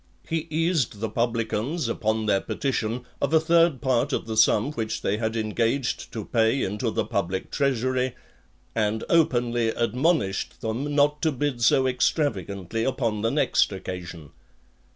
He eased the publicans, upon their petition, of a third part of the sum which they had engaged to pay into the public treasury; and openly admonished them not to bid so extravagantly upon the next occasion.